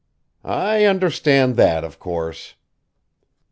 "I understand that, of course."